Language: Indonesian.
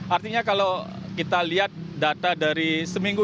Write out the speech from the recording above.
artinya kalau kita lihat data dari seminggu